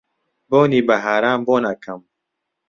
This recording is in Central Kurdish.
بۆنی بەهاران بۆن ئەکەم